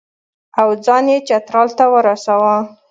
او ځان یې چترال ته ورساوه.